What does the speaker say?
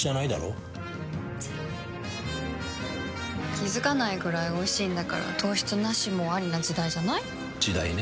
気付かないくらいおいしいんだから糖質ナシもアリな時代じゃない？時代ね。